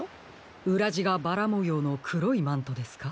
うらじがバラもようのくろいマントですか？